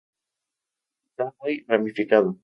Está muy ramificado.